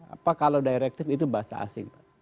apa kalau directive itu bahasa asing